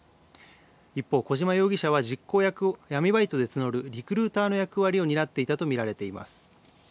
一方、小島容疑者は実行役を闇バイトで募るリクルーターの役割を担っていたと見られています。